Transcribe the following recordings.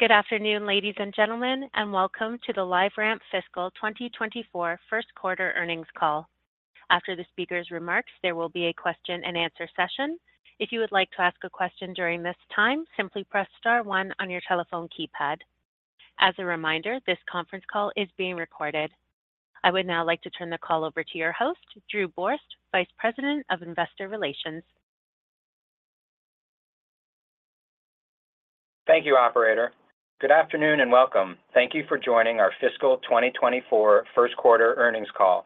Good afternoon, ladies and gentlemen, and welcome to the LiveRamp Fiscal 2024 First Quarter Earnings Call. After the speaker's remarks, there will be a question and answer session. If you would like to ask a question during this time, simply press star one on your telephone keypad. As a reminder, this conference call is being recorded. I would now like to turn the call over to your host, Drew Borst, Vice President of Investor Relations. Thank you, operator. Welcome. Thank you for joining our fiscal 2024 first quarter earnings call.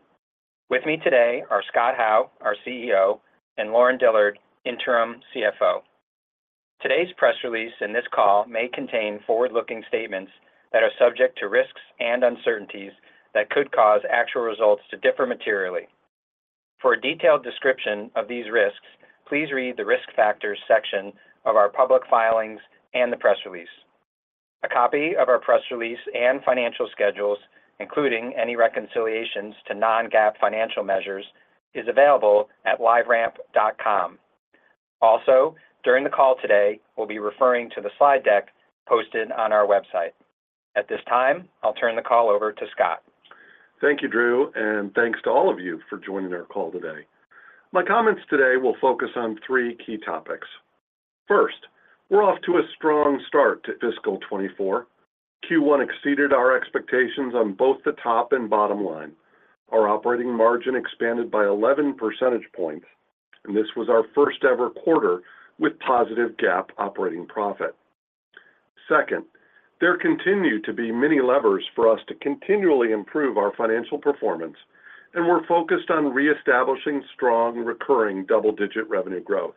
With me today are Scott Howe, our CEO, and Lauren Dillard, Interim CFO. Today's press release and this call may contain forward-looking statements that are subject to risks and uncertainties that could cause actual results to differ materially. For a detailed description of these risks, please read the Risk Factors section of our public filings and the press release. A copy of our press release and financial schedules, including any reconciliations to non-GAAP financial measures, is available at liveramp.com. Also, during the call today, we'll be referring to the slide deck posted on our website. At this time, I'll turn the call over to Scott. Thank you, Drew, and thanks to all of you for joining our call today. My comments today will focus on three key topics. First, we're off to a strong start to fiscal 2024. Q1 exceeded our expectations on both the top and bottom line. Our operating margin expanded by 11 percentage points, and this was our first-ever quarter with positive GAAP operating profit. Second, there continue to be many levers for us to continually improve our financial performance, and we're focused on reestablishing strong, recurring double-digit revenue growth.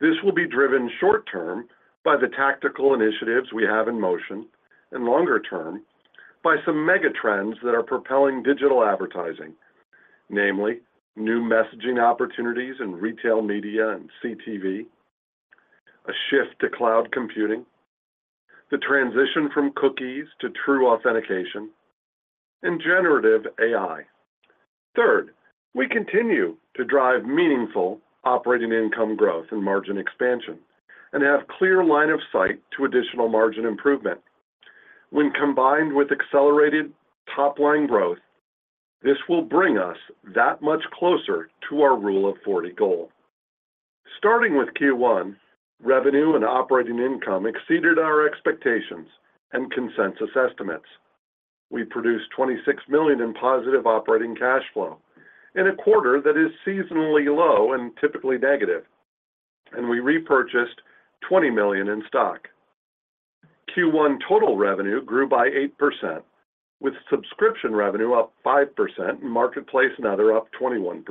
This will be driven short term by the tactical initiatives we have in motion, and longer term by some mega trends that are propelling digital advertising, namely new messaging opportunities in retail media and CTV, a shift to cloud computing, the transition from cookies to true authentication, and generative AI. Third, we continue to drive meaningful operating income growth and margin expansion and have clear line of sight to additional margin improvement. When combined with accelerated top-line growth, this will bring us that much closer to our Rule of 40 goal. Starting with Q1, revenue and operating income exceeded our expectations and consensus estimates. We produced $26 million in positive operating cash flow in a quarter that is seasonally low and typically negative, and we repurchased $20 million in stock. Q1 total revenue grew by 8%, with subscription revenue up 5% and marketplace and other up 21%.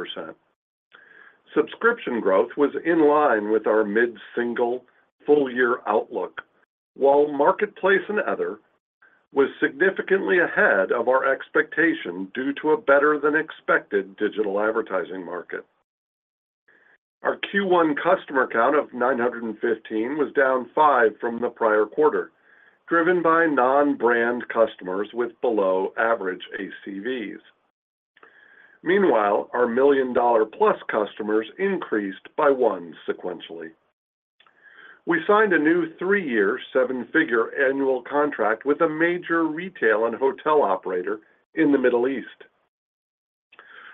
Subscription growth was in line with our mid-single full-year outlook, while marketplace and other was significantly ahead of our expectation due to a better-than-expected digital advertising market. Our Q1 customer count of 915 was down 5 from the prior quarter, driven by non-brand customers with below-average ACVs. Meanwhile, our million-dollar-plus customers increased by one sequentially. We signed a new 3-year, 7-figure annual contract with a major retail and hotel operator in the Middle East.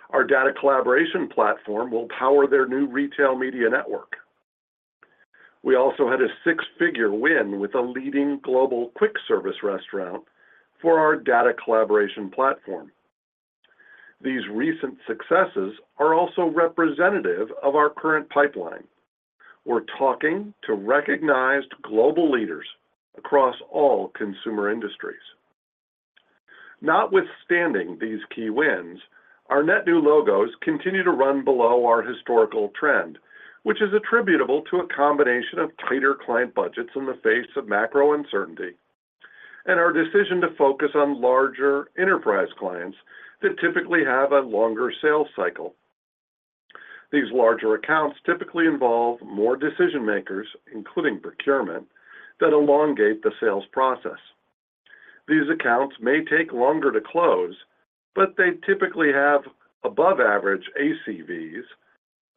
Our data collaboration platform will power their new retail media network. We also had a 6-figure win with a leading global quick-service restaurant for our data collaboration platform. These recent successes are also representative of our current pipeline. We're talking to recognized global leaders across all consumer industries. Notwithstanding these key wins, our net new logos continue to run below our historical trend, which is attributable to a combination of tighter client budgets in the face of macro uncertainty and our decision to focus on larger enterprise clients that typically have a longer sales cycle. These larger accounts typically involve more decision-makers, including procurement, that elongate the sales process. These accounts may take longer to close, but they typically have above-average ACVs,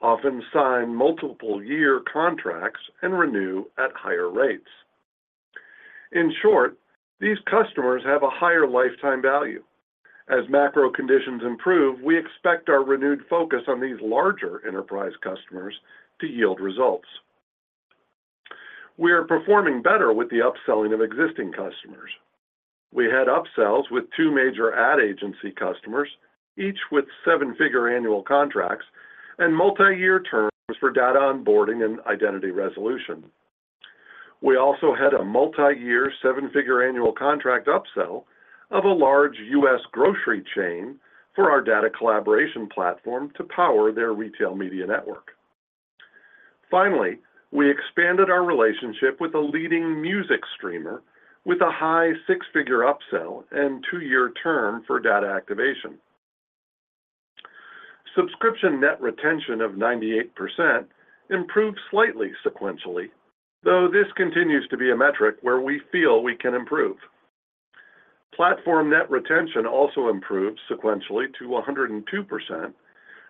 often sign multiple year contracts, and renew at higher rates. In short, these customers have a higher lifetime value. As macro conditions improve, we expect our renewed focus on these larger enterprise customers to yield results. We are performing better with the upselling of existing customers. We had upsells with two major ad agency customers, each with seven-figure annual contracts and multi-year terms for data onboarding and identity resolution. We also had a multi-year, seven-figure annual contract upsell of a large US grocery chain for our data collaboration platform to power their retail media network. Finally, we expanded our relationship with a leading music streamer with a high six-figure upsell and two-year term for data activation. Subscription net retention of 98% improved slightly sequentially, though this continues to be a metric where we feel we can improve. Platform net retention also improved sequentially to 102%,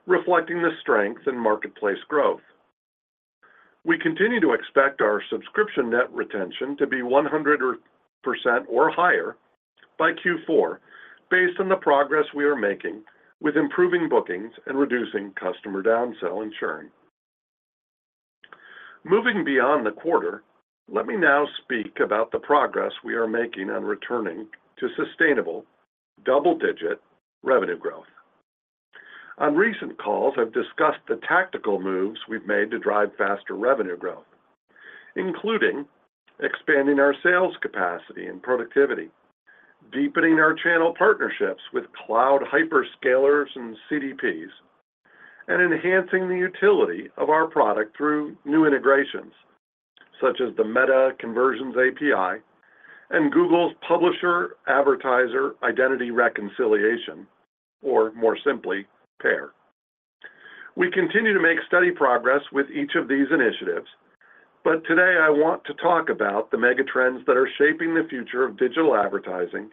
reflecting the strength in marketplace growth. We continue to expect our subscription net retention to be 100% or higher by Q4, based on the progress we are making with improving bookings and reducing customer downsell and churning. Moving beyond the quarter, let me now speak about the progress we are making on returning to sustainable double-digit revenue growth. On recent calls, I've discussed the tactical moves we've made to drive faster revenue growth, including expanding our sales capacity and productivity, deepening our channel partnerships with cloud hyperscalers and CDPs, and enhancing the utility of our product through new integrations, such as the Meta Conversions API and Google's Publisher Advertiser Identity Reconciliation, or more simply, PAIR. We continue to make steady progress with each of these initiatives, but today I want to talk about the megatrends that are shaping the future of digital advertising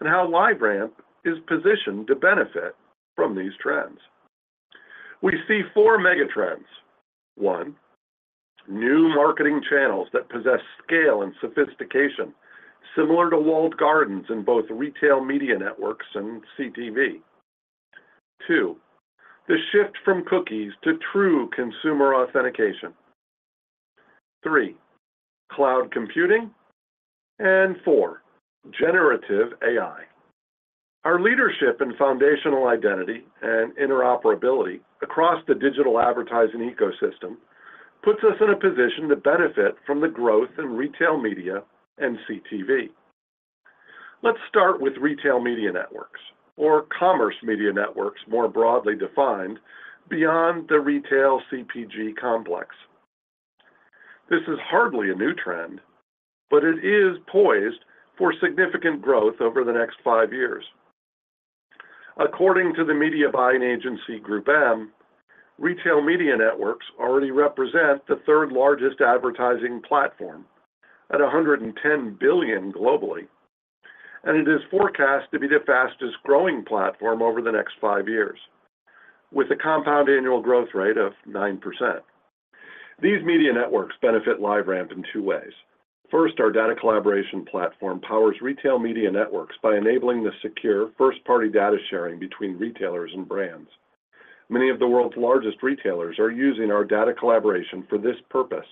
and how LiveRamp is positioned to benefit from these trends. We see 4 megatrends. 1, new marketing channels that possess scale and sophistication, similar to walled gardens in both retail media networks and CTV. 2, the shift from cookies to true consumer authentication. 3, cloud computing, and 4, generative AI. Our leadership in foundational identity and interoperability across the digital advertising ecosystem puts us in a position to benefit from the growth in retail media and CTV. Let's start with retail media networks, or commerce media networks, more broadly defined beyond the retail CPG complex. This is hardly a new trend, but it is poised for significant growth over the next five years. According to the media buying agency, GroupM, retail media networks already represent the third-largest advertising platform at $110 billion globally, and it is forecast to be the fastest-growing platform over the next five years, with a compound annual growth rate of 9%. These media networks benefit LiveRamp in two ways. First, our data collaboration platform powers retail media networks by enabling the secure, first-party data sharing between retailers and brands. Many of the world's largest retailers are using our data collaboration for this purpose,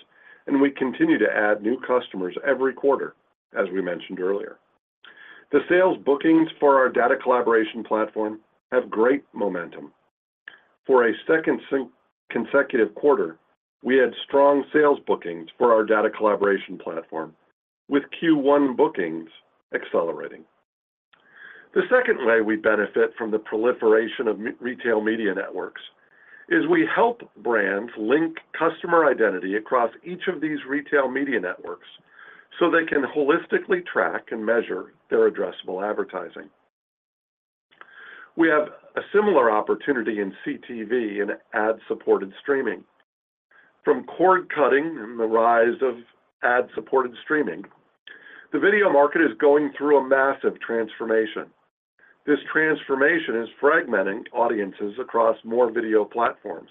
and we continue to add new customers every quarter, as we mentioned earlier. The sales bookings for our data collaboration platform have great momentum. For a second consecutive quarter, we had strong sales bookings for our data collaboration platform, with Q1 bookings accelerating. The second way we benefit from the proliferation of retail media networks is we help brands link customer identity across each of these retail media networks so they can holistically track and measure their addressable advertising. We have a similar opportunity in CTV and ad-supported streaming. From cord-cutting and the rise of ad-supported streaming, the video market is going through a massive transformation. This transformation is fragmenting audiences across more video platforms.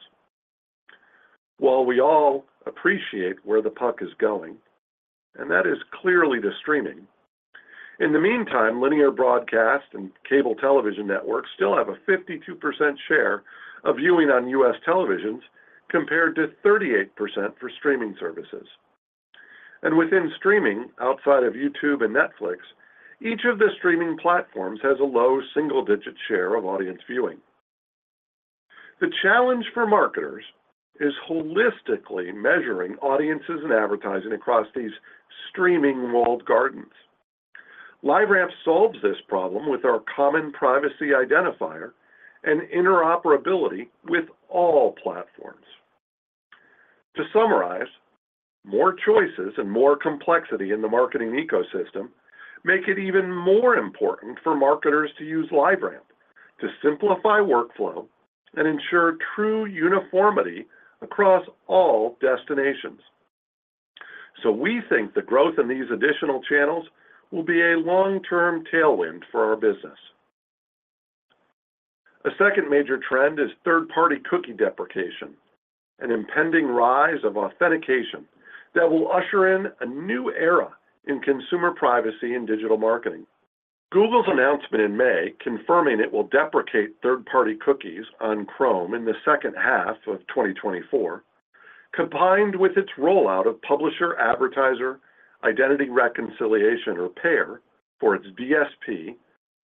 While we all appreciate where the puck is going, and that is clearly the streaming, in the meantime, linear broadcast and cable television networks still have a 52% share of viewing on U.S. televisions, compared to 38% for streaming services. Within streaming, outside of YouTube and Netflix, each of the streaming platforms has a low single-digit share of audience viewing. The challenge for marketers is holistically measuring audiences and advertising across these streaming walled gardens. LiveRamp solves this problem with our common privacy identifier and interoperability with all platforms. To summarize, more choices and more complexity in the marketing ecosystem make it even more important for marketers to use LiveRamp to simplify workflow and ensure true uniformity across all destinations. We think the growth in these additional channels will be a long-term tailwind for our business. A second major trend is third-party cookie deprecation, an impending rise of authentication that will usher in a new era in consumer privacy and digital marketing. Google's announcement in May, confirming it will deprecate third-party cookies on Chrome in the second half of 2024, combined with its rollout of Publisher Advertiser Identity Reconciliation, or PAIR, for its DSP,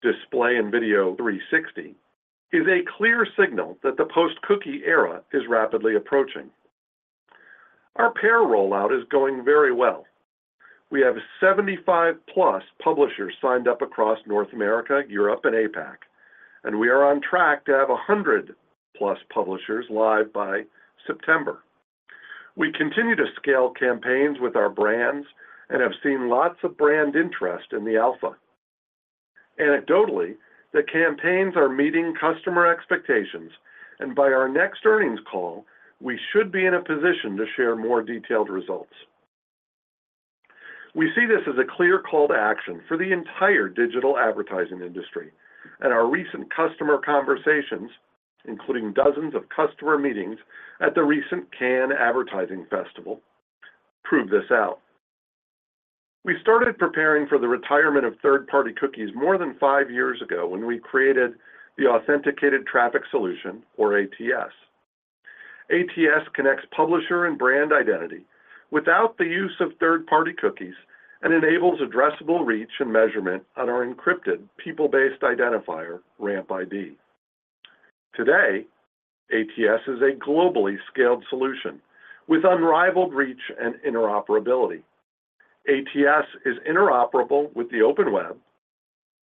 Display and Video 360, is a clear signal that the post-cookie era is rapidly approaching. Our PAIR rollout is going very well. We have 75-plus publishers signed up across North America, Europe, and APAC, and we are on track to have 100-plus publishers live by September. We continue to scale campaigns with our brands and have seen lots of brand interest in the alpha. Anecdotally, the campaigns are meeting customer expectations, and by our next earnings call, we should be in a position to share more detailed results. We see this as a clear call to action for the entire digital advertising industry, and our recent customer conversations, including dozens of customer meetings at the recent Cannes Advertising Festival, proved this out. We started preparing for the retirement of third-party cookies more than 5 years ago when we created the Authenticated Traffic Solution, or ATS. ATS connects publisher and brand identity without the use of third-party cookies and enables addressable reach and measurement on our encrypted people-based identifier, RampID. Today, ATS is a globally scaled solution with unrivaled reach and interoperability. ATS is interoperable with the open web,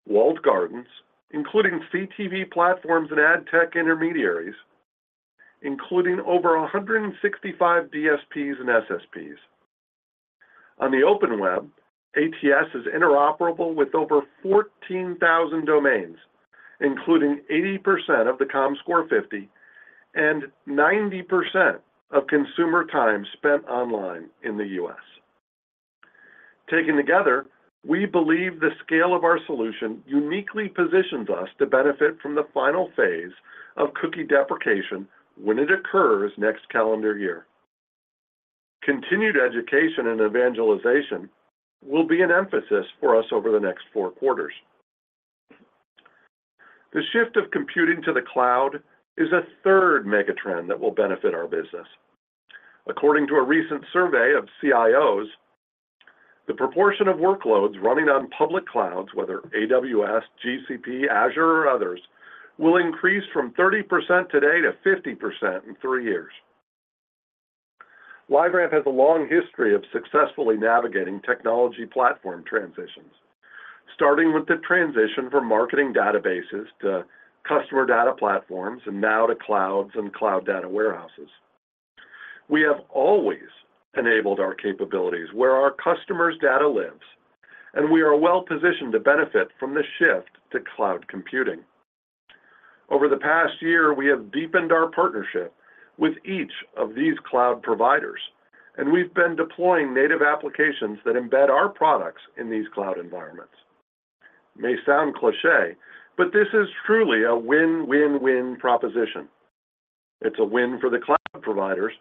walled gardens, including CTV platforms and ad tech intermediaries, including over 165 DSPs and SSPs. On the open web, ATS is interoperable with over 14,000 domains, including 80% of the Comscore 50 and 90% of consumer time spent online in the U.S. Taken together, we believe the scale of our solution uniquely positions us to benefit from the final phase of cookie deprecation when it occurs next calendar year. Continued education and evangelization will be an emphasis for us over the next 4 quarters. The shift of computing to the cloud is a third mega trend that will benefit our business. According to a recent survey of CIOs, the proportion of workloads running on public clouds, whether AWS, GCP, Azure or others, will increase from 30% today to 50% in 3 years. LiveRamp has a long history of successfully navigating technology platform transitions, starting with the transition from marketing databases to customer data platforms, now to clouds and cloud data warehouses. We have always enabled our capabilities where our customers' data lives, we are well positioned to benefit from the shift to cloud computing. Over the past year, we have deepened our partnership with each of these cloud providers, and we've been deploying native applications that embed our products in these cloud environments. May sound cliché, this is truly a win-win-win proposition. It's a win for the cloud providers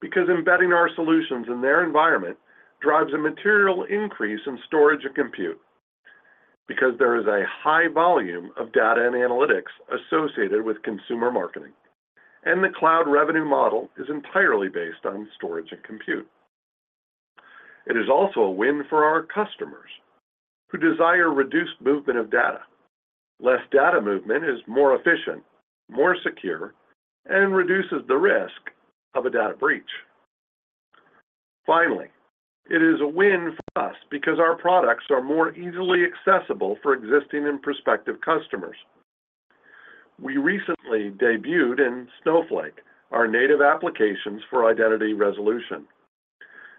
because embedding our solutions in their environment drives a material increase in storage and compute, because there is a high volume of data and analytics associated with consumer marketing, and the cloud revenue model is entirely based on storage and compute. It is also a win for our customers who desire reduced movement of data. Less data movement is more efficient, more secure, and reduces the risk of a data breach. Finally, it is a win for us because our products are more easily accessible for existing and prospective customers. We recently debuted in Snowflake, our native applications for identity resolution.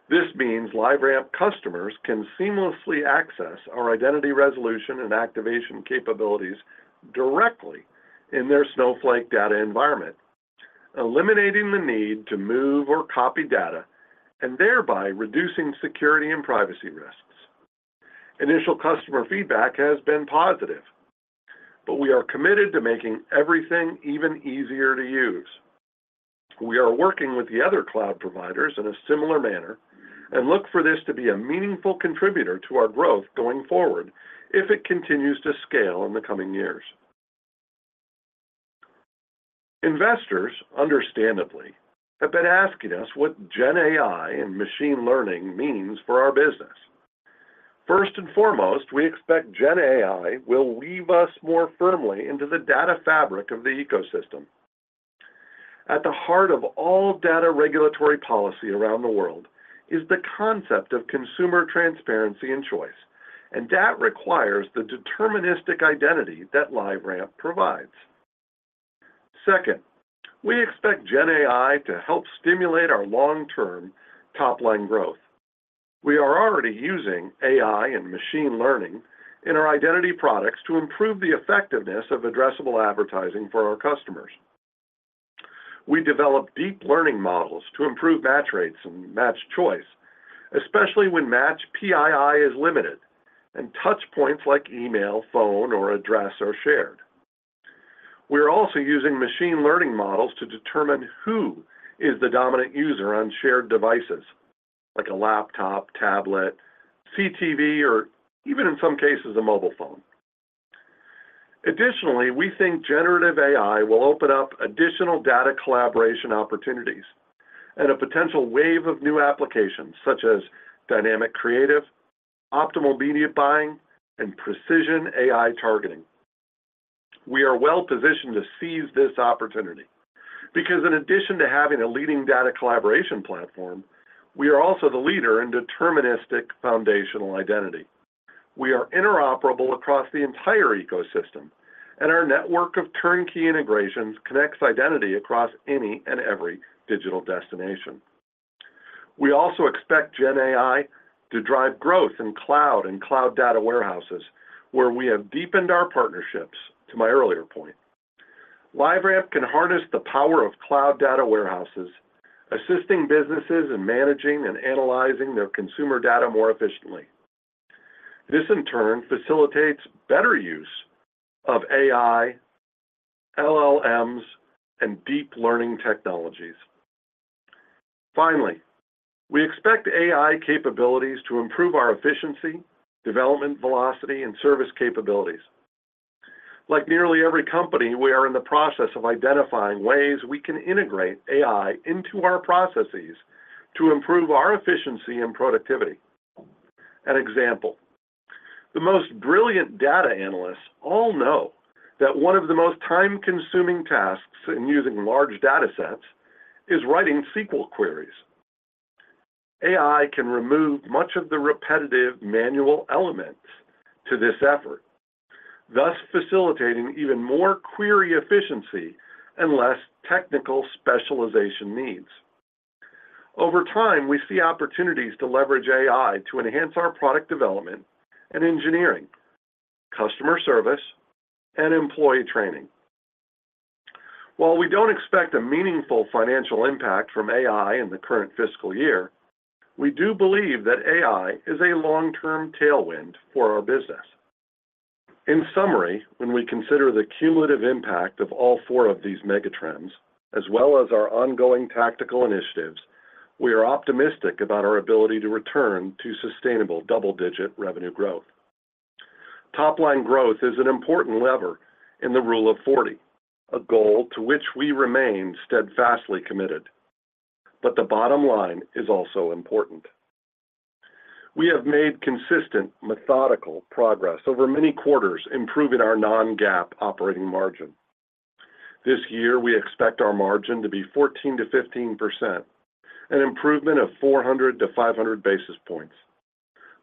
This means LiveRamp customers can seamlessly access our identity resolution and activation capabilities directly in their Snowflake data environment, eliminating the need to move or copy data, thereby reducing security and privacy risks. Initial customer feedback has been positive, we are committed to making everything even easier to use. We are working with the other cloud providers in a similar manner, look for this to be a meaningful contributor to our growth going forward if it continues to scale in the coming years. Investors, understandably, have been asking us what Gen AI and machine learning means for our business. First and foremost, we expect Gen AI will weave us more firmly into the data fabric of the ecosystem. At the heart of all data regulatory policy around the world is the concept of consumer transparency and choice, that requires the deterministic identity that LiveRamp provides. Second, we expect Gen AI to help stimulate our long-term top-line growth. We are already using AI and machine learning in our identity products to improve the effectiveness of addressable advertising for our customers. We develop deep learning models to improve match rates and match choice, especially when match PII is limited and touch points like email, phone, or address are shared. We are also using machine learning models to determine who is the dominant user on shared devices like a laptop, tablet, CTV, or even in some cases, a mobile phone. Additionally, we think generative AI will open up additional data collaboration opportunities and a potential wave of new applications such as dynamic creative, optimal media buying, and precision AI targeting. We are well positioned to seize this opportunity because in addition to having a leading data collaboration platform, we are also the leader in deterministic foundational identity. We are interoperable across the entire ecosystem, and our network of turnkey integrations connects identity across any and every digital destination. We also expect Gen AI to drive growth in cloud and cloud data warehouses, where we have deepened our partnerships, to my earlier point. LiveRamp can harness the power of cloud data warehouses, assisting businesses in managing and analyzing their consumer data more efficiently. This, in turn, facilitates better use of AI, LLMs, and deep learning technologies. Finally, we expect AI capabilities to improve our efficiency, development velocity, and service capabilities. Like nearly every company, we are in the process of identifying ways we can integrate AI into our processes to improve our efficiency and productivity. An example: the most brilliant data analysts all know that one of the most time-consuming tasks in using large data sets is writing SQL queries. AI can remove much of the repetitive manual elements to this effort, thus facilitating even more query efficiency and less technical specialization needs. Over time, we see opportunities to leverage AI to enhance our product development and engineering, customer service, and employee training. While we don't expect a meaningful financial impact from AI in the current fiscal year, we do believe that AI is a long-term tailwind for our business. In summary, when we consider the cumulative impact of all 4 of these megatrends, as well as our ongoing tactical initiatives, we are optimistic about our ability to return to sustainable double-digit revenue growth. Top-line growth is an important lever in the Rule of 40, a goal to which we remain steadfastly committed, but the bottom line is also important. We have made consistent, methodical progress over many quarters, improving our non-GAAP operating margin. This year, we expect our margin to be 14%-15%, an improvement of 400 to 500 basis points.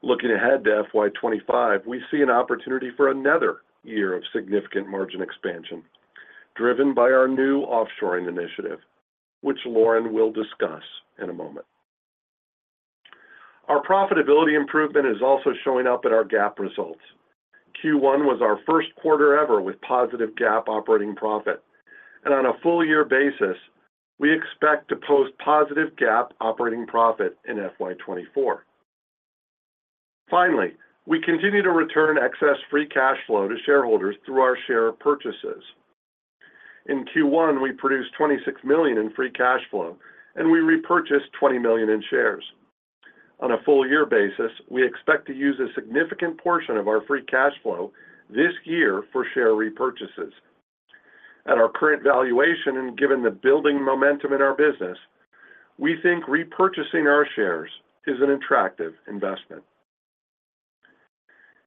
Looking ahead to FY25, we see an opportunity for another year of significant margin expansion, driven by our new offshoring initiative, which Lauren will discuss in a moment. Our profitability improvement is also showing up in our GAAP results. Q1 was our first quarter ever with positive GAAP operating profit, and on a full year basis, we expect to post positive GAAP operating profit in FY24. Finally, we continue to return excess free cash flow to shareholders through our share purchases. In Q1, we produced $26 million in free cash flow, and we repurchased $20 million in shares. On a full year basis, we expect to use a significant portion of our free cash flow this year for share repurchases. At our current valuation, given the building momentum in our business, we think repurchasing our shares is an attractive investment.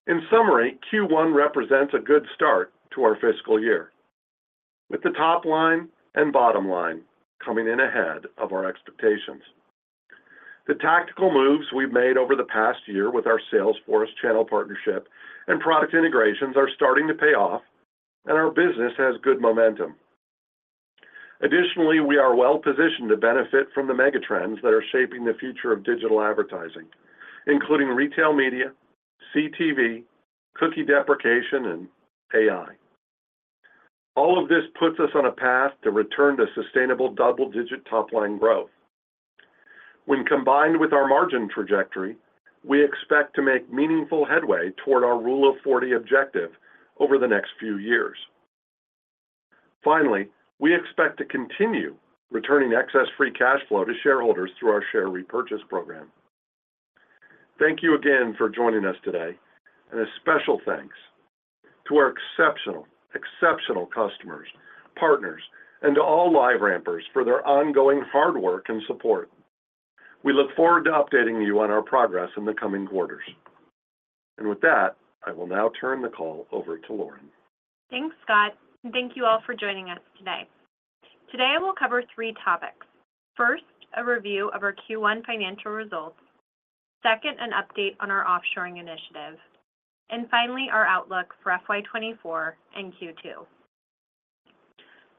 In summary, Q1 represents a good start to our fiscal year, with the top line and bottom line coming in ahead of our expectations. The tactical moves we've made over the past year with our Salesforce channel partnership and product integrations are starting to pay off, and our business has good momentum. Additionally, we are well positioned to benefit from the megatrends that are shaping the future of digital advertising, including retail media, CTV, cookie deprecation, and AI. All of this puts us on a path to return to sustainable double-digit top-line growth. When combined with our margin trajectory, we expect to make meaningful headway toward our Rule of Forty objective over the next few years. Finally, we expect to continue returning excess free cash flow to shareholders through our share repurchase program. Thank you again for joining us today, a special thanks to our exceptional, exceptional customers, partners, and to all LiveRampers for their ongoing hard work and support. We look forward to updating you on our progress in the coming quarters. With that, I will now turn the call over to Lauren. Thanks, Scott. Thank you all for joining us today. Today, I will cover three topics. First, a review of our Q1 financial results. Second, an update on our offshoring initiative. Finally, our outlook for FY24 and Q2.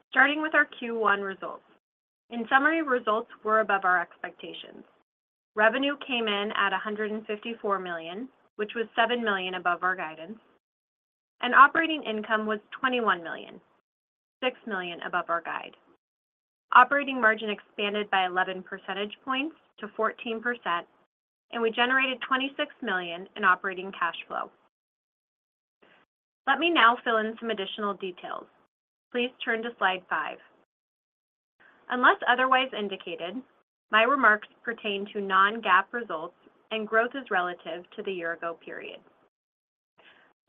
Starting with our Q1 results. In summary, results were above our expectations. Revenue came in at $154 million, which was $7 million above our guidance, and operating income was $21 million, $6 million above our guide. Operating margin expanded by 11 percentage points to 14%, and we generated $26 million in operating cash flow. Let me now fill in some additional details. Please turn to slide 5. Unless otherwise indicated, my remarks pertain to non-GAAP results, and growth is relative to the year ago period.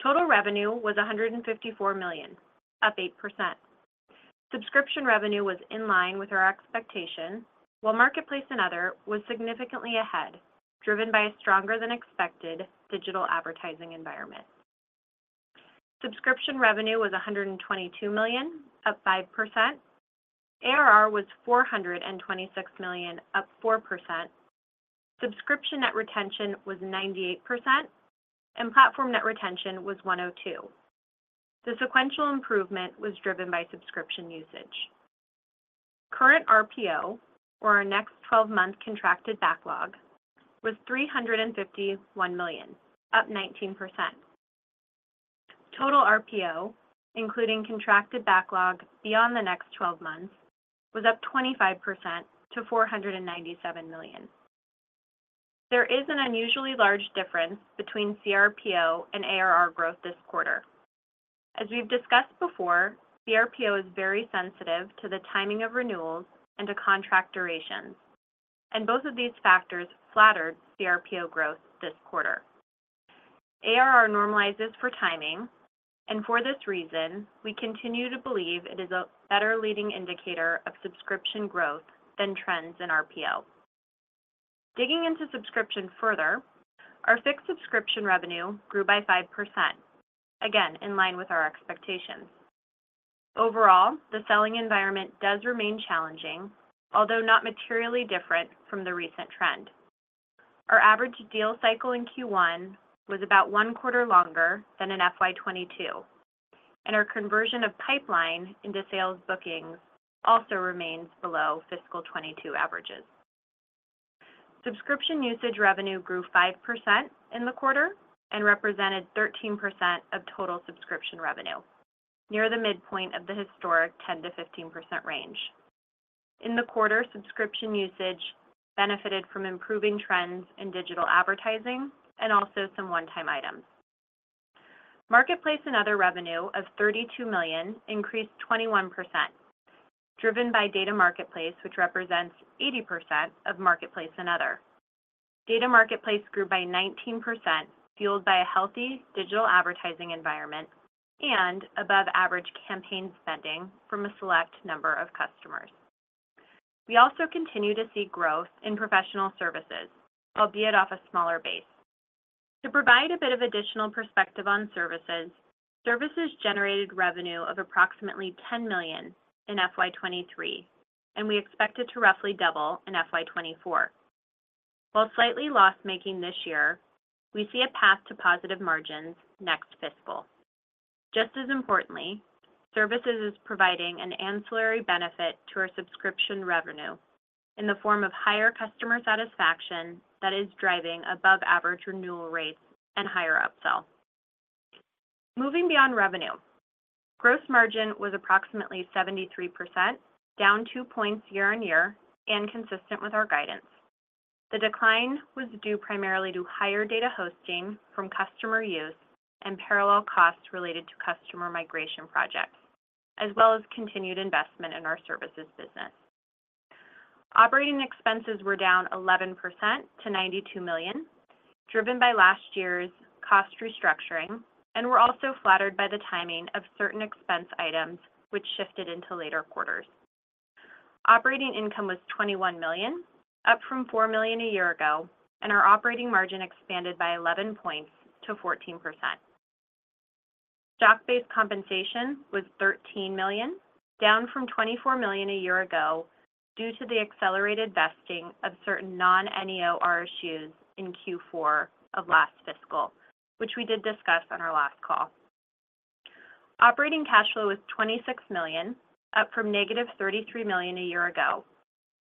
Total revenue was $154 million, up 8%. Subscription revenue was in line with our expectations, while marketplace and other was significantly ahead, driven by a stronger than expected digital advertising environment. Subscription revenue was $122 million, up 5%. ARR was $426 million, up 4%. Subscription net retention was 98%, and platform net retention was 102. The sequential improvement was driven by subscription usage. Current RPO, or our next 12-month contracted backlog, was $351 million, up 19%. Total RPO, including contracted backlog beyond the next 12 months, was up 25% to $497 million. There is an unusually large difference between CRPO and ARR growth this quarter. As we've discussed before, CRPO is very sensitive to the timing of renewals and to contract durations, both of these factors flattered CRPO growth this quarter. ARR normalizes for timing. For this reason, we continue to believe it is a better leading indicator of subscription growth than trends in RPO. Digging into subscription further, our fixed subscription revenue grew by 5%, again, in line with our expectations. Overall, the selling environment does remain challenging, although not materially different from the recent trend. Our average deal cycle in Q1 was about one quarter longer than in FY 2022. Our conversion of pipeline into sales bookings also remains below fiscal 2022 averages. Subscription usage revenue grew 5% in the quarter and represented 13% of total subscription revenue, near the midpoint of the historic 10%-15% range. In the quarter, subscription usage benefited from improving trends in digital advertising and also some one-time items. Marketplace and other revenue of $32 million increased 21%, driven by Data Marketplace, which represents 80% of Marketplace and other. Data Marketplace grew by 19%, fueled by a healthy digital advertising environment and above average campaign spending from a select number of customers. We also continue to see growth in professional services, albeit off a smaller base. To provide a bit of additional perspective on services, services generated revenue of approximately $10 million in FY23, and we expect it to roughly double in FY24. While slightly loss-making this year, we see a path to positive margins next fiscal. Just as importantly, services is providing an ancillary benefit to our subscription revenue in the form of higher customer satisfaction that is driving above-average renewal rates and higher upsell. Moving beyond revenue, gross margin was approximately 73%, down 2 points year-over-year and consistent with our guidance. The decline was due primarily to higher data hosting from customer use and parallel costs related to customer migration projects, as well as continued investment in our services business. Operating expenses were down 11% to $92 million, driven by last year's cost restructuring and were also flattered by the timing of certain expense items, which shifted into later quarters. Operating income was $21 million, up from $4 million a year ago, and our operating margin expanded by 11 points to 14%. Stock-based compensation was $13 million, down from $24 million a year ago due to the accelerated vesting of certain non-NEO RSUs in Q4 of last fiscal, which we did discuss on our last call. Operating cash flow was $26 million, up from negative $33 million a year ago,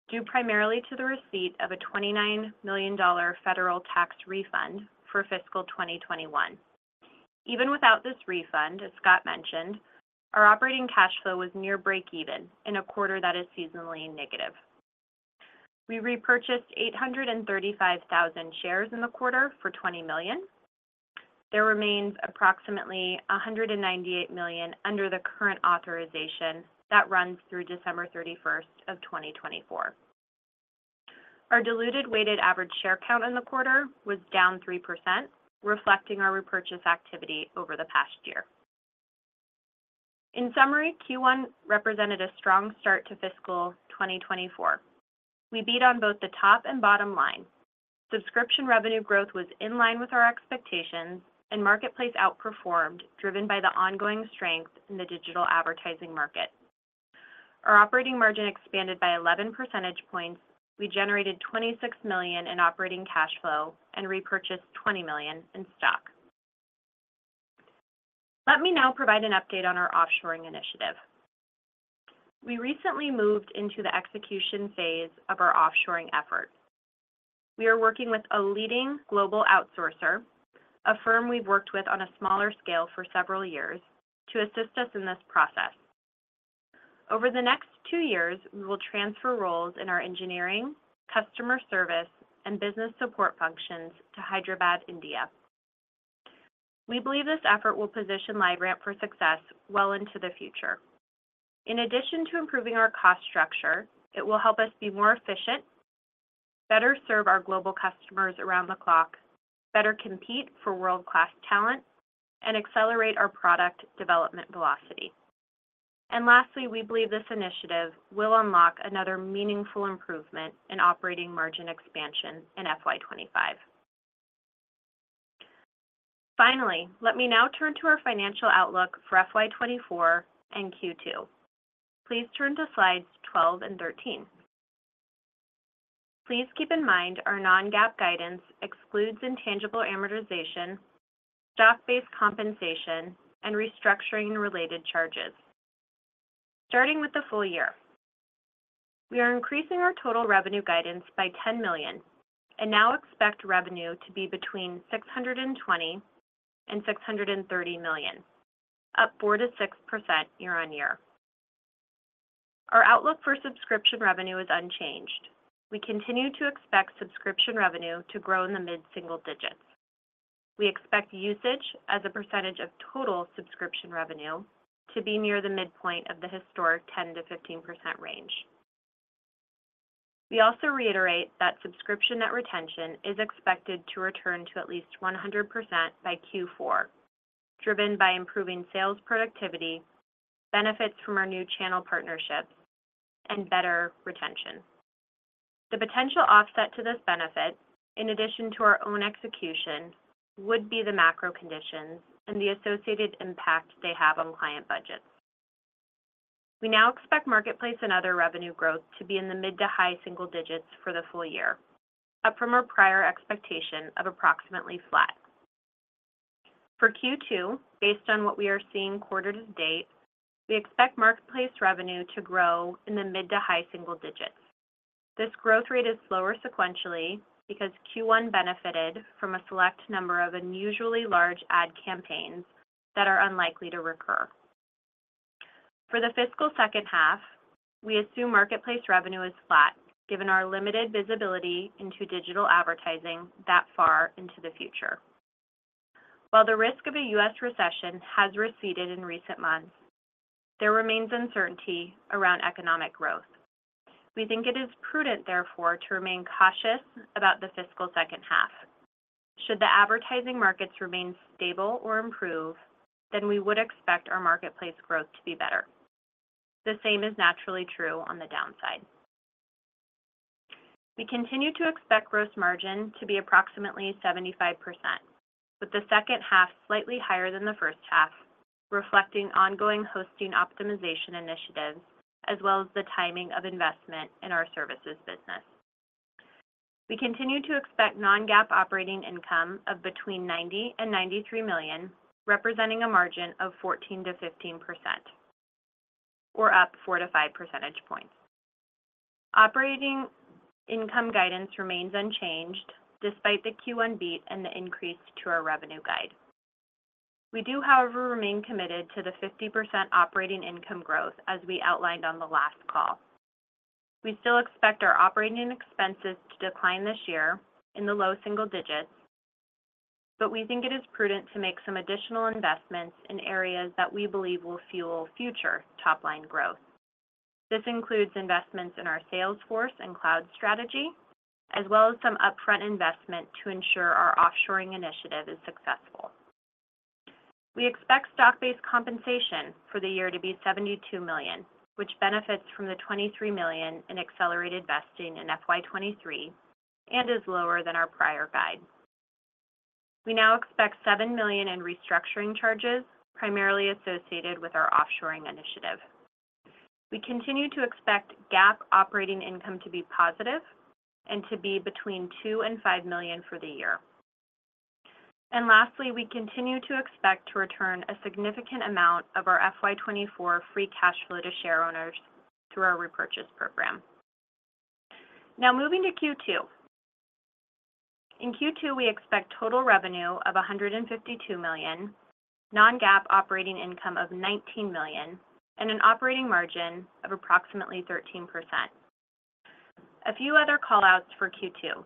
due primarily to the receipt of a $29 million federal tax refund for fiscal 2021. Even without this refund, as Scott mentioned, our operating cash flow was near breakeven in a quarter that is seasonally negative. We repurchased 835,000 shares in the quarter for $20 million. There remains approximately $198 million under the current authorization that runs through December 31, 2024. Our diluted weighted average share count in the quarter was down 3%, reflecting our repurchase activity over the past year. In summary, Q1 represented a strong start to fiscal 2024. We beat on both the top and bottom line. Subscription revenue growth was in line with our expectations. Marketplace outperformed, driven by the ongoing strength in the digital advertising market. Our operating margin expanded by 11 percentage points. We generated $26 million in operating cash flow and repurchased $20 million in stock. Let me now provide an update on our offshoring initiative. We recently moved into the execution phase of our offshoring effort. We are working with a leading global outsourcer, a firm we've worked with on a smaller scale for several years, to assist us in this process. Over the next 2 years, we will transfer roles in our engineering, customer service, and business support functions to Hyderabad, India. We believe this effort will position LiveRamp for success well into the future. In addition to improving our cost structure, it will help us be more efficient, better serve our global customers around the clock, better compete for world-class talent, and accelerate our product development velocity. Lastly, we believe this initiative will unlock another meaningful improvement in operating margin expansion in FY25. Finally, let me now turn to our financial outlook for FY24 and Q2. Please turn to slides 12 and 13. Please keep in mind our non-GAAP guidance excludes intangible amortization, stock-based compensation, and restructuring-related charges. Starting with the full year, we are increasing our total revenue guidance by $10 million and now expect revenue to be between $620 million and $630 million, up 4%-6% year-on-year. Our outlook for subscription revenue is unchanged. We continue to expect subscription revenue to grow in the mid-single digits. We expect usage as a percentage of total subscription revenue to be near the midpoint of the historic 10%-15% range. We also reiterate that subscription net retention is expected to return to at least 100% by Q4, driven by improving sales productivity, benefits from our new channel partnerships, and better retention. The potential offset to this benefit, in addition to our own execution, would be the macro conditions and the associated impact they have on client budgets. We now expect marketplace and other revenue growth to be in the mid to high single digits for the full year, up from our prior expectation of approximately flat. For Q2, based on what we are seeing quarter to date, we expect marketplace revenue to grow in the mid to high single digits. This growth rate is slower sequentially because Q1 benefited from a select number of unusually large ad campaigns that are unlikely to recur. For the fiscal second half, we assume marketplace revenue is flat, given our limited visibility into digital advertising that far into the future. While the risk of a US recession has receded in recent months, there remains uncertainty around economic growth. We think it is prudent, therefore, to remain cautious about the fiscal second half. Should the advertising markets remain stable or improve, we would expect our marketplace growth to be better. The same is naturally true on the downside. We continue to expect gross margin to be approximately 75%, with the second half slightly higher than the first half, reflecting ongoing hosting optimization initiatives as well as the timing of investment in our services business. We continue to expect non-GAAP operating income of between $90 million and $93 million, representing a margin of 14%-15% or up 4 to 5 percentage points. Operating income guidance remains unchanged despite the Q1 beat and the increase to our revenue guide. We do, however, remain committed to the 50% operating income growth as we outlined on the last call. We still expect our operating expenses to decline this year in the low single digits, but we think it is prudent to make some additional investments in areas that we believe will fuel future top-line growth. This includes investments in our sales force and cloud strategy, as well as some upfront investment to ensure our offshoring initiative is successful. We expect stock-based compensation for the year to be $72 million, which benefits from the $23 million in accelerated vesting in FY23 and is lower than our prior guide. We now expect $7 million in restructuring charges, primarily associated with our offshoring initiative. We continue to expect GAAP operating income to be positive and to be between $2 million and $5 million for the year. Lastly, we continue to expect to return a significant amount of our FY24 free cash flow to shareowners through our repurchase program. Now, moving to Q2. In Q2, we expect total revenue of $152 million, non-GAAP operating income of $19 million, and an operating margin of approximately 13%. A few other call-outs for Q2: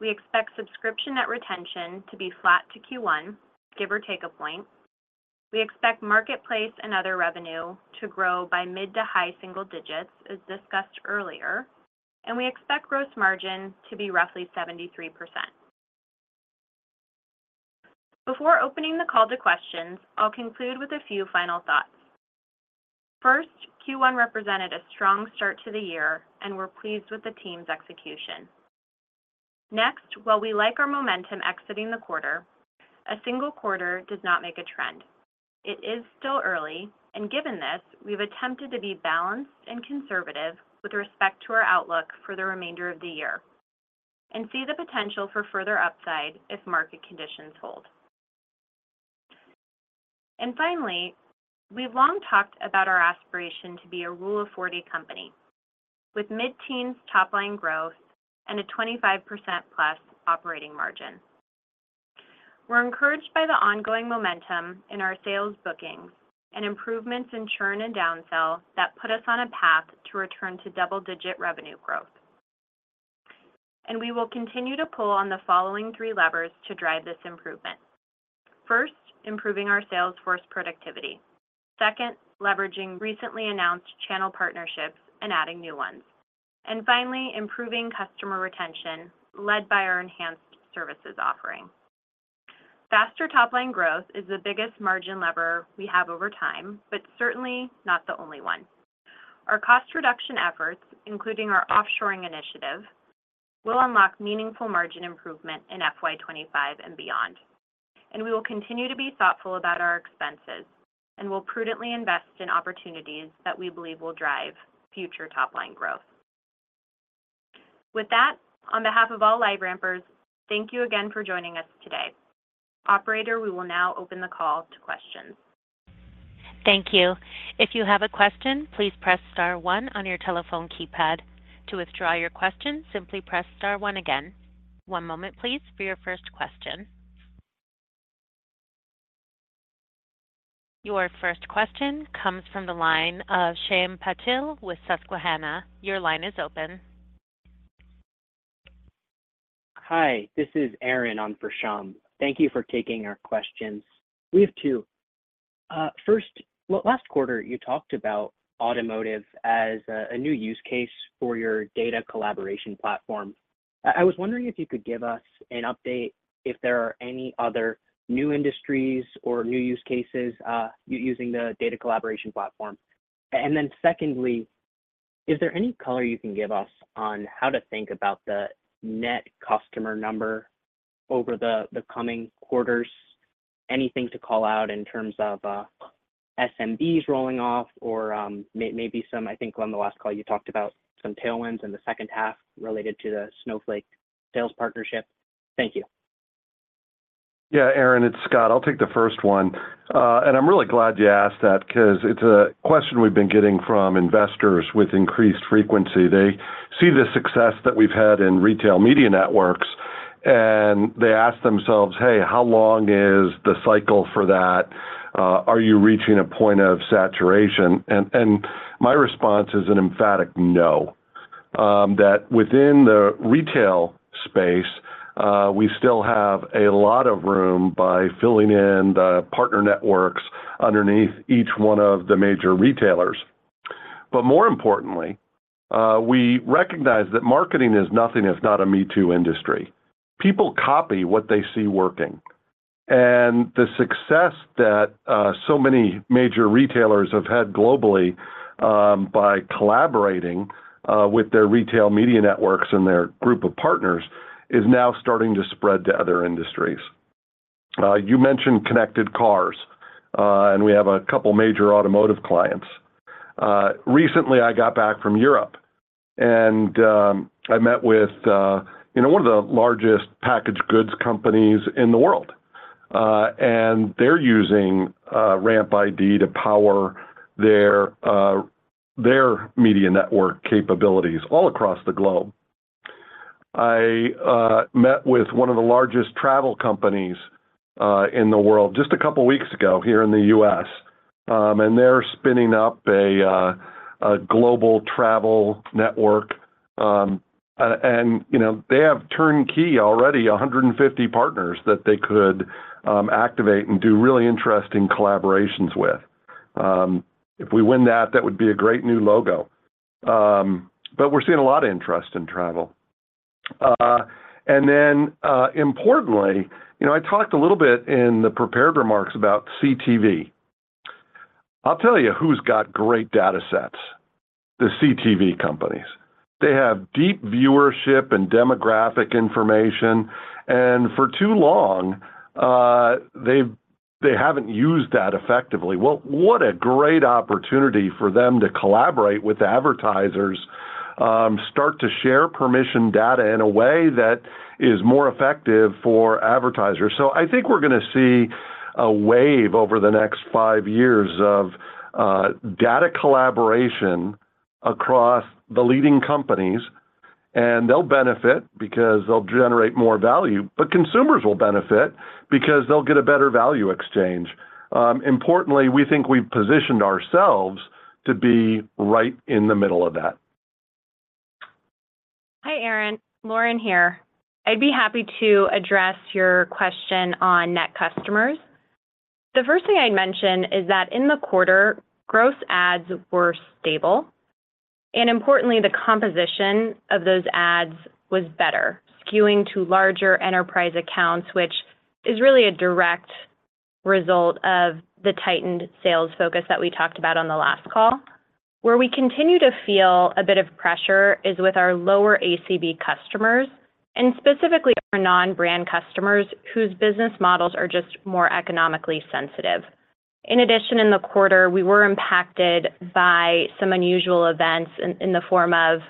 We expect subscription net retention to be flat to Q1, give or take a point. We expect marketplace and other revenue to grow by mid to high single digits, as discussed earlier, and we expect gross margin to be roughly 73%. Before opening the call to questions, I'll conclude with a few final thoughts. First, Q1 represented a strong start to the year, and we're pleased with the team's execution. Next, while we like our momentum exiting the quarter, a single quarter does not make a trend. It is still early, and given this, we've attempted to be balanced and conservative with respect to our outlook for the remainder of the year and see the potential for further upside if market conditions hold. Finally, we've long talked about our aspiration to be a Rule of 40 company with mid-teens top-line growth and a 25%+ operating margin. We're encouraged by the ongoing momentum in our sales bookings and improvements in churn and downsell that put us on a path to return to double-digit revenue growth. We will continue to pull on the following 3 levers to drive this improvement. First, improving our sales force productivity. Second, leveraging recently announced channel partnerships and adding new ones. Finally, improving customer retention, led by our enhanced services offering. Faster top-line growth is the biggest margin lever we have over time, but certainly not the only one. Our cost reduction efforts, including our offshoring initiative, will unlock meaningful margin improvement in FY25 and beyond. We will continue to be thoughtful about our expenses, and we'll prudently invest in opportunities that we believe will drive future top-line growth. With that, on behalf of all LiveRampers, thank you again for joining us today. Operator, we will now open the call to questions. Thank you. If you have a question, please press star one on your telephone keypad. To withdraw your question, simply press star one again. One moment, please, for your first question. Your first question comes from the line of Shyam Patil with Susquehanna. Your line is open. Hi, this is Aaron on for Shyam. Thank you for taking our questions. We have 2. First, well, last quarter, you talked about automotive as a new use case for your data collaboration platform. I was wondering if you could give us an update, if there are any other new industries or new use cases, using the data collaboration platform. Secondly, is there any color you can give us on how to think about the net customer number over the coming quarters? Anything to call out in terms of SMBs rolling off or maybe some I think on the last call, you talked about some tailwinds in the second half related to the Snowflake sales partnership. Thank you. Yeah, Aaron, it's Scott. I'll take the first one. I'm really glad you asked that because it's a question we've been getting from investors with increased frequency. They see the success that we've had in retail media networks, and they ask themselves: "Hey, how long is the cycle for that? Are you reaching a point of saturation?" My response is an emphatic no. That within the retail space, we still have a lot of room by filling in the partner networks underneath each one of the major retailers. More importantly, we recognize that marketing is nothing if not a me-too industry. People copy what they see working, and the success that so many major retailers have had globally, by collaborating with their retail media networks and their group of partners, is now starting to spread to other industries. You mentioned connected cars, and we have a couple major automotive clients. Recently, I got back from Europe, and I met with, you know, one of the largest packaged goods companies in the world, and they're using RampID to power their media network capabilities all across the globe. I met with one of the largest travel companies in the world just a couple of weeks ago here in the US, and they're spinning up a global travel network, and, you know, they have turnkey already 150 partners that they could activate and do really interesting collaborations with. If we win that, that would be a great new logo. We're seeing a lot of interest in travel. Then, importantly, you know, I talked a little bit in the prepared remarks about CTV. I'll tell you who's got great datasets, the CTV companies. They have deep viewership and demographic information, and for too long, they haven't used that effectively. Well, what a great opportunity for them to collaborate with advertisers, start to share permission data in a way that is more effective for advertisers. I think we're gonna see a wave over the next five years of data collaboration across the leading companies, and they'll benefit because they'll generate more value. Consumers will benefit because they'll get a better value exchange. Importantly, we think we've positioned ourselves to be right in the middle of that. Hi, Aaron. Lauren here. I'd be happy to address your question on net customers. The first thing I'd mention is that in the quarter, gross ads were stable, importantly, the composition of those ads was better, skewing to larger enterprise accounts, which is really a direct result of the tightened sales focus that we talked about on the last call. Where we continue to feel a bit of pressure is with our lower ACV customers, specifically our non-brand customers, whose business models are just more economically sensitive. In addition, in the quarter, we were impacted by some unusual events in the form of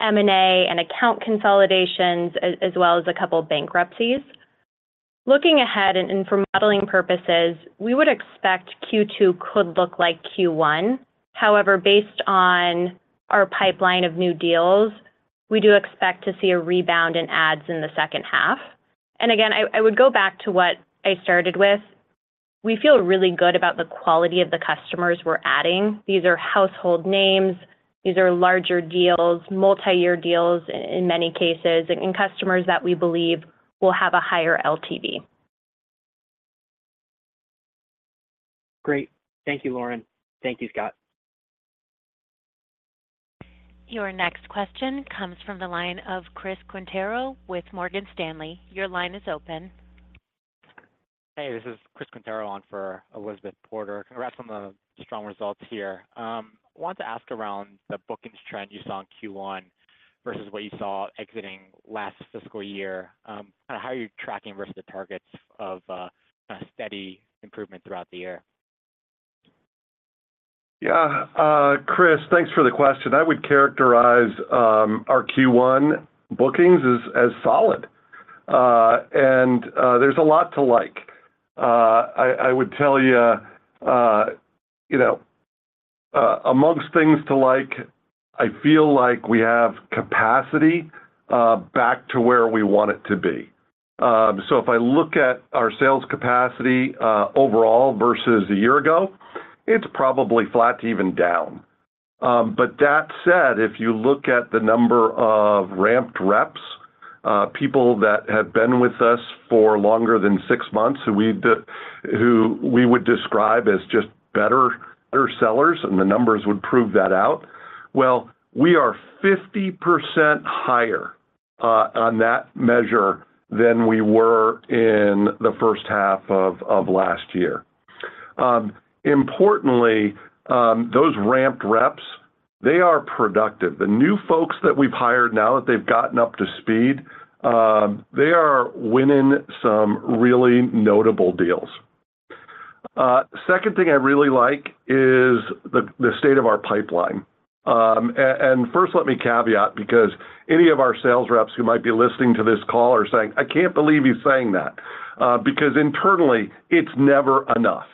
M&A and account consolidations, as well as a couple of bankruptcies. Looking ahead for modeling purposes, we would expect Q2 could look like Q1. However, based on our pipeline of new deals, we do expect to see a rebound in ads in the second half. Again, I would go back to what I started with. We feel really good about the quality of the customers we're adding. These are household names, these are larger deals, multi-year deals in many cases, and customers that we believe will have a higher LTV. Great. Thank you, Lauren. Thank you, Scott. Your next question comes from the line of Chris Quintero with Morgan Stanley. Your line is open. Hey, this is Chris Quintero on for Elizabeth Porter. Congrats on the strong results here. I want to ask around the bookings trend you saw in Q1 versus what you saw exiting last fiscal year, kind of how are you tracking versus the targets of a steady improvement throughout the year? Yeah, Chris, thanks for the question. I would characterize our Q1 bookings as, as solid, and there's a lot to like. I, I would tell you, you know, amongst things to like, I feel like we have capacity back to where we want it to be. If I look at our sales capacity overall versus a year ago, it's probably flat to even down. That said, if you look at the number of ramped reps, people that have been with us for longer than six months, who we would describe as just better sellers, and the numbers would prove that out, well, we are 50% higher on that measure than we were in the first half of last year. Importantly, those ramped reps, they are productive. The new folks that we've hired now that they've gotten up to speed, they are winning some really notable deals. Second thing I really like is the, the state of our pipeline. First, let me caveat, because any of our sales reps who might be listening to this call are saying, "I can't believe he's saying that." Because internally, it's never enough.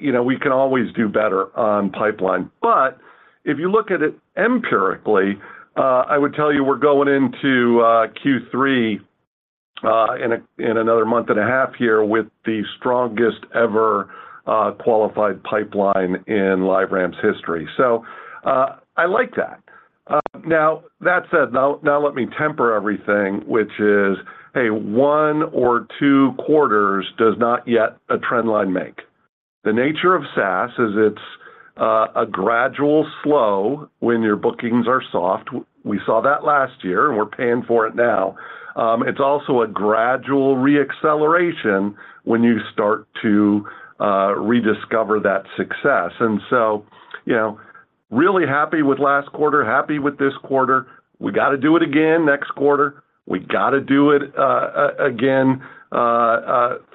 You know, we can always do better on pipeline, but if you look at it empirically, I would tell you we're going into Q3 in another month and a half here with the strongest ever qualified pipeline in LiveRamp's history. I like that. Now, that said, now, now let me temper everything, which is, a one or two quarters does not yet a trend line make. The nature of SaaS is it's a gradual slow when your bookings are soft. We saw that last year, and we're paying for it now. It's also a gradual re-acceleration when you start to rediscover that success. You know, really happy with last quarter, happy with this quarter. We got to do it again next quarter. We got to do it again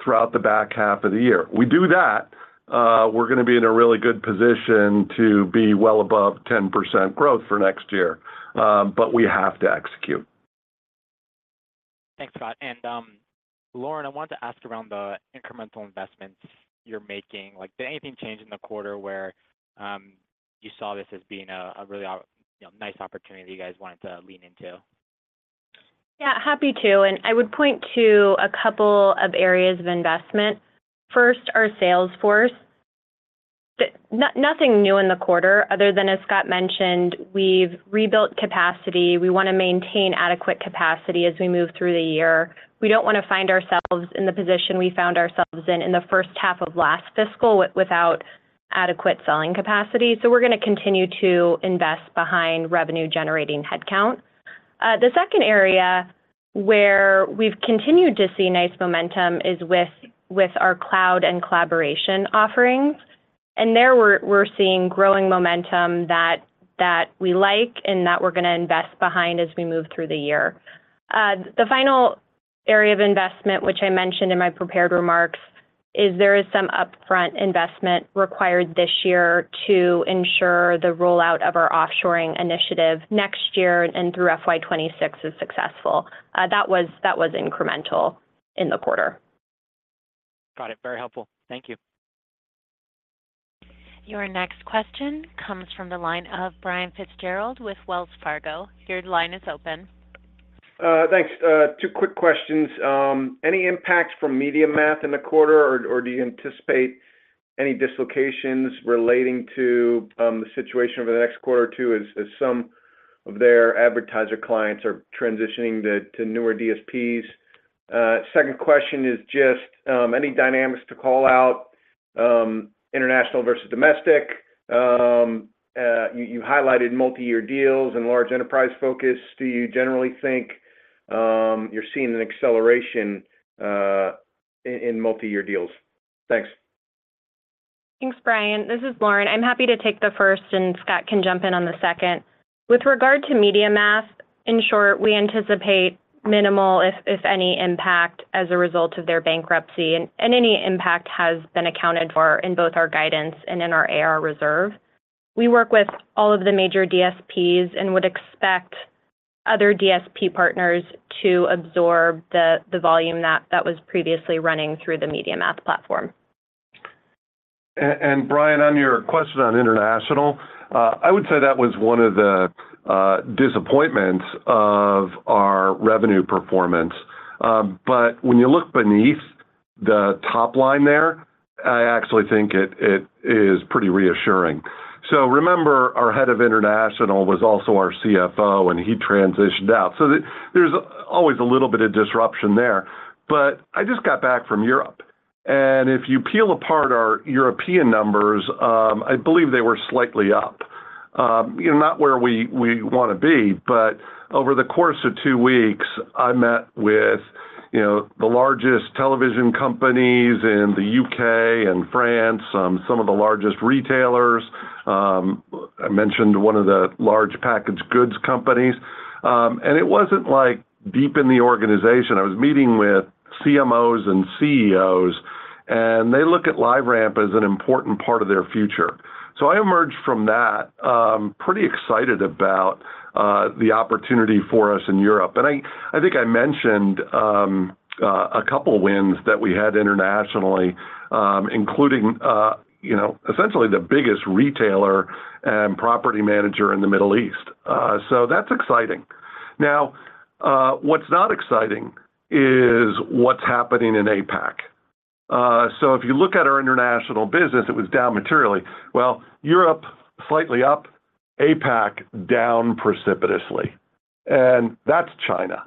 throughout the back half of the year. We do that, we're gonna be in a really good position to be well above 10% growth for next year. We have to execute. Thanks, Scott. Lauren, I wanted to ask around the incremental investments you're making, like, did anything change in the quarter where you saw this as being a really you know, nice opportunity that you guys wanted to lean into? Yeah, happy to, and I would point to 2 areas of investment. First, our sales force. Nothing new in the quarter other than, as Scott mentioned, we've rebuilt capacity. We wanna maintain adequate capacity as we move through the year. We don't wanna find ourselves in the position we found ourselves in, in the first half of last fiscal without adequate selling capacity, so we're gonna continue to invest behind revenue-generating headcount. The second area where we've continued to see nice momentum is with, with our cloud and collaboration offerings, and there we're, we're seeing growing momentum that, that we like and that we're gonna invest behind as we move through the year. The final area of investment, which I mentioned in my prepared remarks, is there is some upfront investment required this year to ensure the rollout of our offshoring initiative next year and through FY26 is successful. That was, that was incremental in the quarter. Got it. Very helpful. Thank you. Your next question comes from the line of Brian Fitzgerald with Wells Fargo. Your line is open. Thanks. Two quick questions. Any impacts from MediaMath in the quarter, or do you anticipate any dislocations relating to the situation over the next quarter or two as some of their advertiser clients are transitioning to newer DSPs? Second question is just any dynamics to call out international versus domestic? You highlighted multi-year deals and large enterprise focus. Do you generally think you're seeing an acceleration in multi-year deals? Thanks. Thanks, Brian. This is Lauren. I'm happy to take the first, and Scott can jump in on the second. With regard to MediaMath, in short, we anticipate minimal, if, if any, impact as a result of their bankruptcy, and, and any impact has been accounted for in both our guidance and in our AR reserve. We work with all of the major DSPs and would expect other DSP partners to absorb the, the volume that, that was previously running through the MediaMath platform. Brian, on your question on international, I would say that was one of the disappointments of our revenue performance. When you look beneath the top line there, I actually think it, it is pretty reassuring. Remember, our head of international was also our CFO, and he transitioned out. There's always a little bit of disruption there. I just got back from Europe, and if you peel apart our European numbers, I believe they were slightly up. You know, not where we, we wanna be, but over the course of two weeks, I met with you know, the largest television companies in the UK and France, some of the largest retailers, I mentioned one of the large packaged goods companies. It wasn't like deep in the organization. I was meeting with CMOs and CEOs, and they look at LiveRamp as an important part of their future. I emerged from that, pretty excited about the opportunity for us in Europe. I, I think I mentioned, a couple wins that we had internationally, including, you know, essentially the biggest retailer and property manager in the Middle East. That's exciting. Now, what's not exciting is what's happening in APAC. If you look at our international business, it was down materially. Well, Europe, slightly up, APAC, down precipitously, and that's China.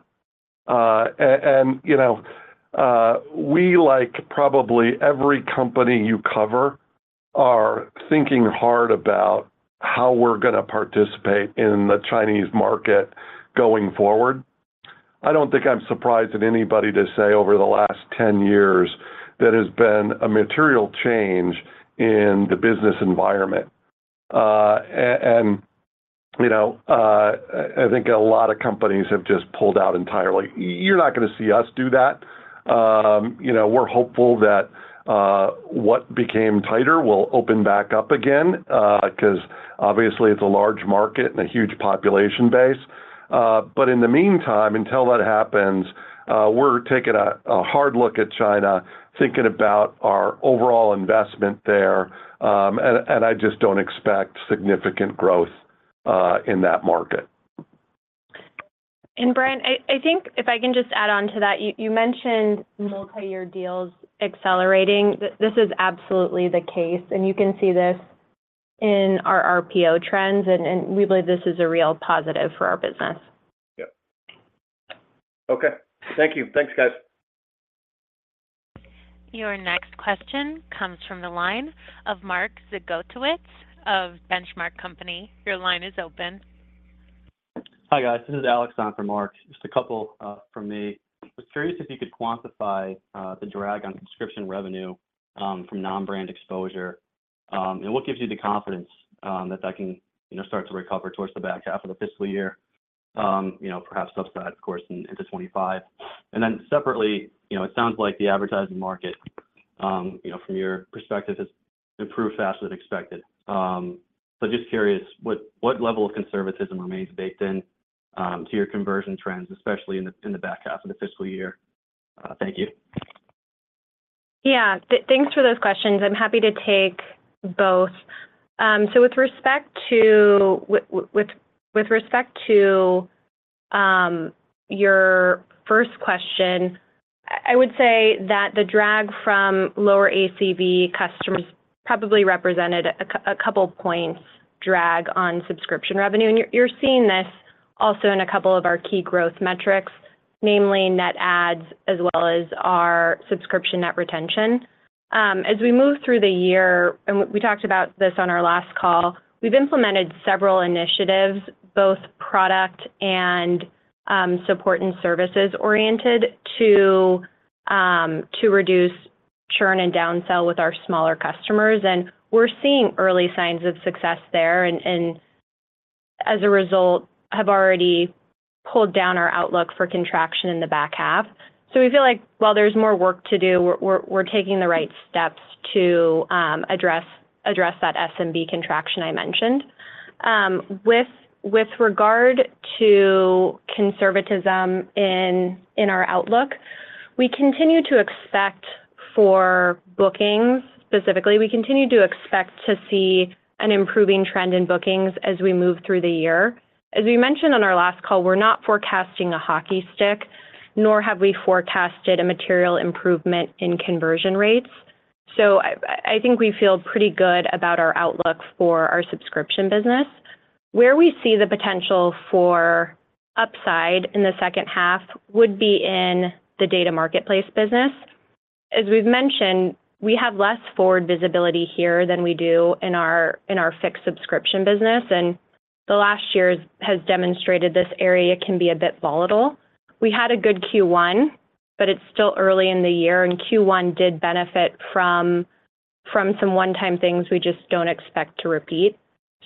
You know, we, like probably every company you cover, are thinking hard about how we're gonna participate in the Chinese market going forward. I don't think I'm surprised at anybody to say over the last 10 years, there has been a material change in the business environment. You know, I think a lot of companies have just pulled out entirely. You're not gonna see us do that. You know, we're hopeful that what became tighter will open back up again, 'cause obviously, it's a large market and a huge population base. In the meantime, until that happens, we're taking a, a hard look at China, thinking about our overall investment there, and, and I just don't expect significant growth in that market. Brian, I think if I can just add on to that, you mentioned multiyear deals accelerating. This is absolutely the case, and you can see this in our RPO trends, and, and we believe this is a real positive for our business. Yep. Okay. Thank you. Thanks, guys. Your next question comes from the line of Mark Zgutowicz of The Benchmark Company. Your line is open. Hi, guys. This is Alexander Levine. Just a couple from me. I was curious if you could quantify the drag on subscription revenue from non-brand exposure, and what gives you the confidence that that can, you know, start to recover towards the back half of the fiscal year, you know, perhaps subside, of course, into 2025? Separately, you know, it sounds like the advertising market, you know, from your perspective, has improved faster than expected. Just curious, what, what level of conservatism remains baked in to your conversion trends, especially in the back half of the fiscal year? Thank you. Yeah, thanks for those questions. I'm happy to take both. With respect to your first question, I would say that the drag from lower ACV customers probably represented a couple points drag on subscription revenue. You're seeing this also in a couple of our key growth metrics, namely net adds, as well as our subscription net retention. As we move through the year, and we talked about this on our last call, we've implemented several initiatives, both product and support and services oriented, to reduce churn and downsell with our smaller customers, and we're seeing early signs of success there, and as a result, have already pulled down our outlook for contraction in the back half. We feel like while there's more work to do, we're, we're, we're taking the right steps to address, address that SMB contraction I mentioned. With, with regard to conservatism in, in our outlook, we continue to expect for bookings... Specifically, we continue to expect to see an improving trend in bookings as we move through the year. As we mentioned on our last call, we're not forecasting a hockey stick, nor have we forecasted a material improvement in conversion rates. I, I think we feel pretty good about our outlook for our subscription business. Where we see the potential for upside in the second half would be in the Data Marketplace business. As we've mentioned, we have less forward visibility here than we do in our, in our fixed subscription business, and the last year has demonstrated this area can be a bit volatile. We had a good Q1, but it's still early in the year, and Q1 did benefit from some one-time things we just don't expect to repeat.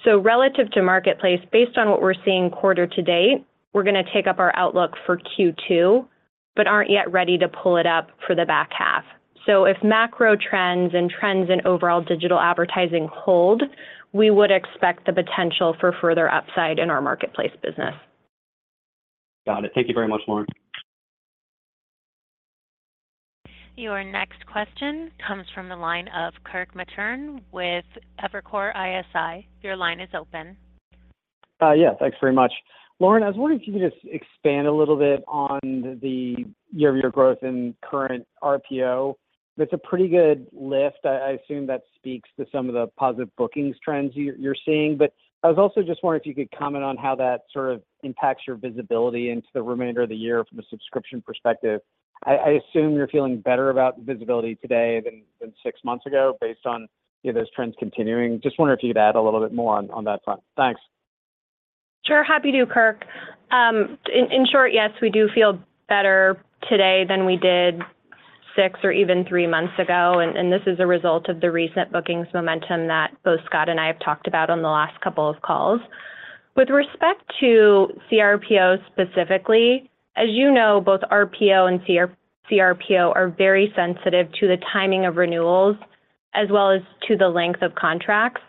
Relative to marketplace, based on what we're seeing quarter to date, we're gonna take up our outlook for Q2, but aren't yet ready to pull it up for the back half. If macro trends and trends in overall digital advertising hold, we would expect the potential for further upside in our marketplace business. Got it. Thank you very much, Lauren. Your next question comes from the line of Kirk Materne with Evercore ISI. Your line is open. Yeah, thanks very much. Lauren, I was wondering if you could just expand a little bit on the year-over-year growth in current RPO. That's a pretty good lift. I, I assume that speaks to some of the positive bookings trends you're, you're seeing. I was also just wondering if you could comment on how that sort of impacts your visibility into the remainder of the year from a subscription perspective. I, I assume you're feeling better about the visibility today than, than six months ago, based on, you know, those trends continuing. Just wondering if you could add a little bit more on, on that front. Thanks. Sure, happy to, Kirk. In, in short, yes, we do feel better today than we did 6 or even 3 months ago, and this is a result of the recent bookings momentum that both Scott and I have talked about on the last couple of calls. With respect to CRPO specifically, as you know, both RPO and CRPO are very sensitive to the timing of renewals as well as to the length of contracts,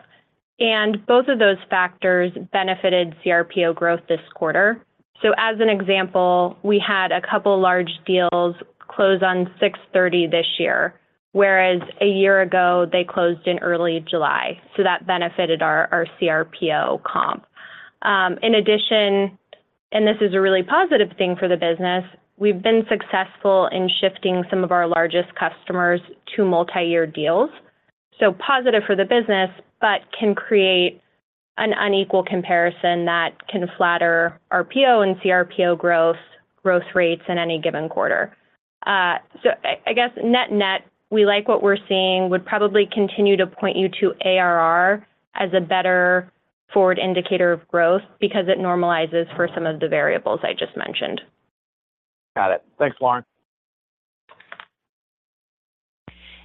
and both of those factors benefited CRPO growth this quarter. As an example, we had a couple large deals close on 6/30 this year, whereas a year ago, they closed in early July, so that benefited our, our CRPO comp. In addition, and this is a really positive thing for the business, we've been successful in shifting some of our largest customers to multi-year deals, so positive for the business, but can create an unequal comparison that can flatter RPO and CRPO growth, growth rates in any given quarter. I, I guess net-net, we like what we're seeing, would probably continue to point you to ARR as a better forward indicator of growth because it normalizes for some of the variables I just mentioned. Got it. Thanks, Lauren.